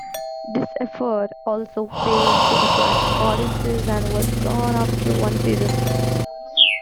This effort also failed to attract audiences and was gone after one season.